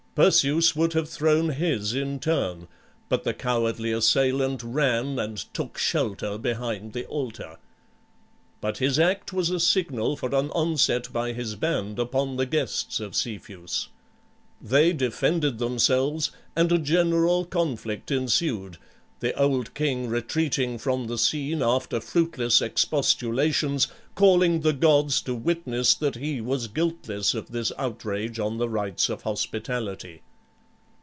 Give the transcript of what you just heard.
Perseus would have thrown his in turn, but the cowardly assailant ran and took shelter behind the altar. But his act was a signal for an onset by his band upon the guests of Cepheus. They defended themselves and a general conflict ensued, the old king retreating from the scene after fruitless expostulations, calling the gods to witness that he was guiltless of this outrage on the rights of hospitality.